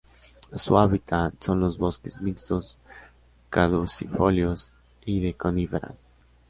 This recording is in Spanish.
Su hábitat son los bosques mixtos caducifolios y de coníferas.